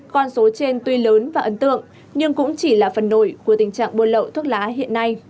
con số trên tuy lớn và ấn tượng nhưng cũng chỉ là phần nổi của tình trạng buôn lậu thuốc lá hiện nay